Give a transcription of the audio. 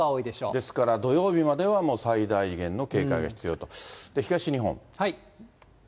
ですから土曜日までは、もう最大限の警戒が必要と。